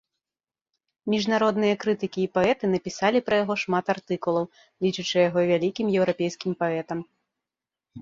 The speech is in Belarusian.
Міжнародныя крытыкі і паэты напісалі пра яго шмат артыкулаў, лічачы яго вялікім еўрапейскім паэтам.